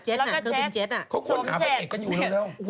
เออช่วยเราเล็กก่อน